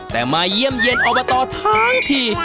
แต่มาเยี่ยมเยี่ยมอบตทั้งที